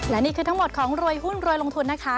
และนี่คือทั้งหมดของรวยหุ้นรวยลงทุนนะคะ